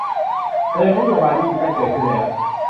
เชิงนโยบายดิจิทัล เกิดขึ้นแล้ว